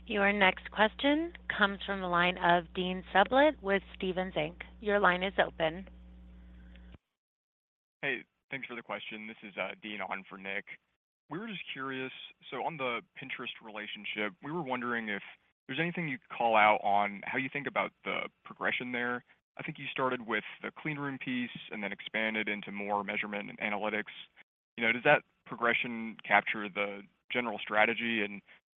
Your next question comes from the line of Dean Sublett with Stephens Inc. Your line is open. Hey, thanks for the question. This is Dean on for Nick. We were just curious, so on the Pinterest relationship, we were wondering if there's anything you'd call out on how you think about the progression there. I think you started with the clean room piece and then expanded into more measurement and analytics. You know, does that progression capture the general strategy?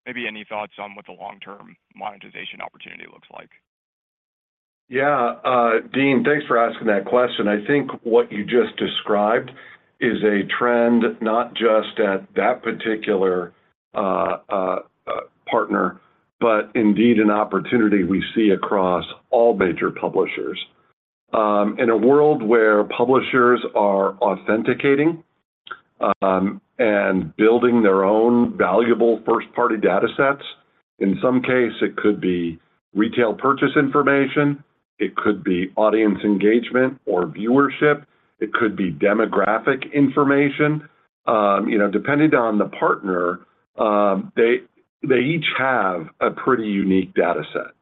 Maybe any thoughts on what the long-term monetization opportunity looks like? Yeah, Dean, thanks for asking that question. I think what you just described is a trend, not just at that particular partner, but indeed an opportunity we see across all major publishers. In a world where publishers are authenticating and building their own valuable first-party data sets, in some case, it could be retail purchase information, it could be audience engagement or viewership, it could be demographic information. You know, depending on the partner, they, they each have a pretty unique data set.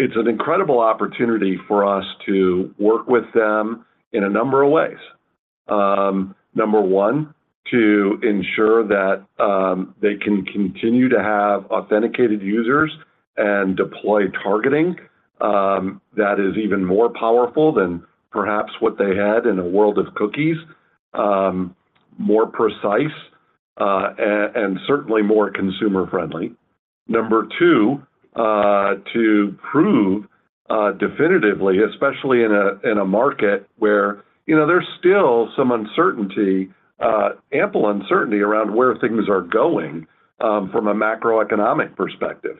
It's an incredible opportunity for us to work with them in a number of ways. Number one, to ensure that they can continue to have authenticated users and deploy targeting that is even more powerful than perhaps what they had in a world of cookies, more precise, a- and certainly more consumer-friendly. Number two, to prove definitively, especially in a, in a market where, you know, there's still some uncertainty, ample uncertainty around where things are going from a macroeconomic perspective.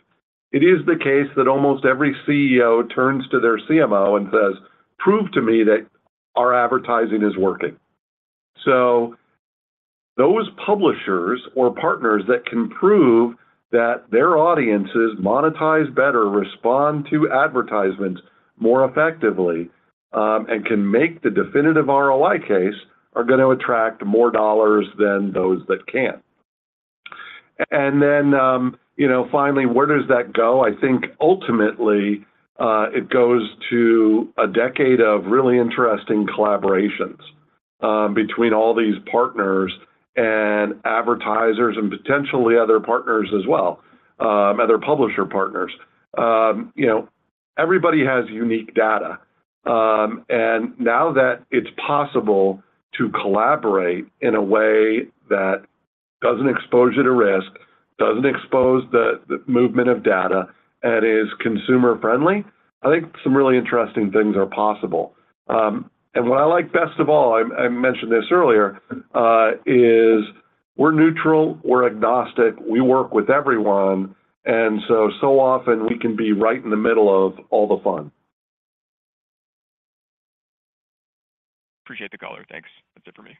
It is the case that almost every CEO turns to their CMO and says, "Prove to me that our advertising is working." Those publishers or partners that can prove that their audiences monetize better, respond to advertisements more effectively, and can make the definitive ROI case, are gonna attract more dollars than those that can't. Then, you know, finally, where does that go? I think ultimately, it goes to a decade of really interesting collaborations, between all these partners and advertisers and potentially other partners as well, other publisher partners. You know, everybody has unique data, and now that it's possible to collaborate in a way that doesn't expose you to risk, doesn't expose the, the movement of data and is consumer-friendly, I think some really interesting things are possible. What I like best of all, I, I mentioned this earlier, is we're neutral, we're agnostic, we work with everyone, and so, so often we can be right in the middle of all the fun. Appreciate the color. Thanks. That's it for me.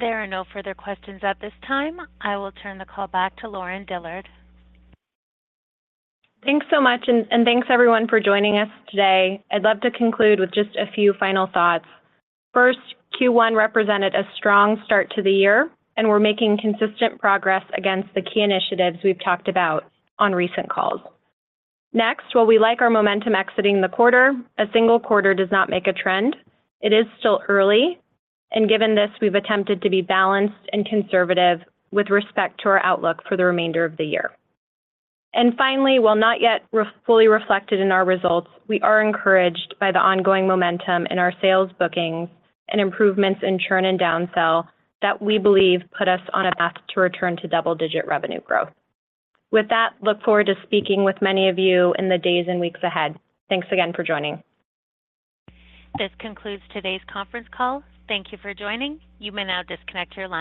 There are no further questions at this time. I will turn the call back to Lauren Dillard. Thanks so much, and thanks, everyone, for joining us today. I'd love to conclude with just a few final thoughts. First, Q1 represented a strong start to the year, and we're making consistent progress against the key initiatives we've talked about on recent calls. Next, while we like our momentum exiting the quarter, a single quarter does not make a trend. It is still early, and given this, we've attempted to be balanced and conservative with respect to our outlook for the remainder of the year. Finally, while not yet fully reflected in our results, we are encouraged by the ongoing momentum in our sales bookings and improvements in churn and downsell that we believe put us on a path to return to double-digit revenue growth. With that, look forward to speaking with many of you in the days and weeks ahead. Thanks again for joining. This concludes today's conference call. Thank you for joining. You may now disconnect your line.